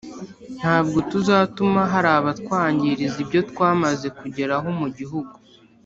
Ntabwo tuzatuma hari abatwangiriza ibyo twamaze kugeraho mu gihugu